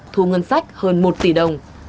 thu ngân sách hơn một tỷ đồng